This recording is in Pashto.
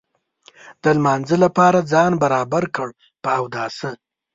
د لمانځه لپاره ځان برابر کړ په اوداسه.